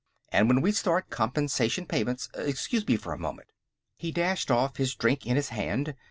And when we start compensation payments.... Excuse me for a moment." He dashed off, his drink in his hand.